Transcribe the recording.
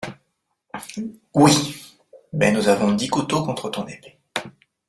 Oui ; mais nous avons dix couteaux contre ton épée.